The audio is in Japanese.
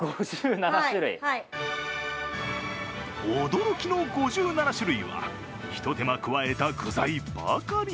驚きの５７種類は一工夫加えた具材ばかり。